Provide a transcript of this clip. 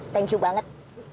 thank you banget